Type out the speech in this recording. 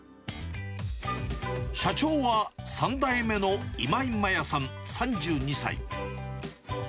社長は３代目の今井麻椰さん３２歳。